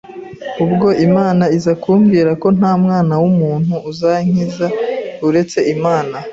ubwo Imana iza kumbwira ko nta mwana w’umuntu uzankiza uretse Imana